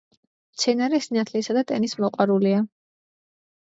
მცენარე სინათლისა და ტენის მოყვარულია.